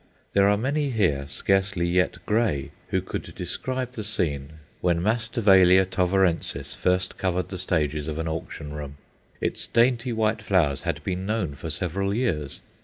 There are many here, scarcely yet grey, who could describe the scene when Masdevallia Tovarensis first covered the stages of an auction room. Its dainty white flowers had been known for several years.